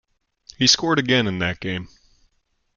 He scored again in that game.